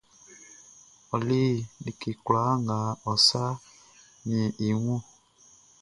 Ɔ le like kwlaa nga ɔ sa miɛn i wunʼn.